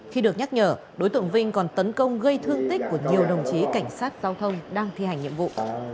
khi được nhắc nhở đối tượng vinh còn tấn công gây thương tích của nhiều đồng chí cảnh sát giao thông đang thi hành nhiệm vụ